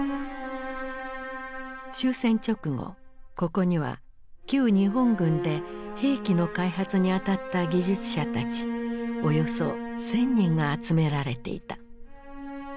終戦直後ここには旧日本軍で兵器の開発に当たった技術者たちおよそ１，０００人が集められていた。